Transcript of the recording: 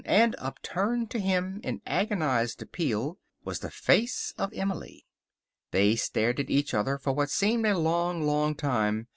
And upturned to him in agonized appeal was the face of Emily. They stared at each other for what seemed a long, long time.